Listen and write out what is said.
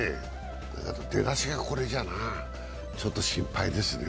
出だしがこれじゃなちょっと心配ですね。